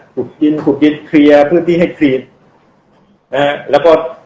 ขุดกินขุดดินเคลียร์พื้นที่ให้ครีมนะฮะแล้วก็